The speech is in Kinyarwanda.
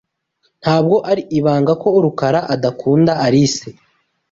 Ntabwo ari ibanga ko Rukara adakunda Alice.